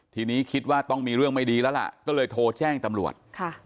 ทีนี้คิดว่าต้องมีเรื่องไม่ดีแล้วล่ะก็เลยโทรแจ้งตำรวจ